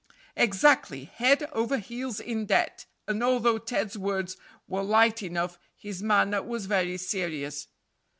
"Exactly, head over heels in debt;" and although Ted's words were light enough, his manner was very serious.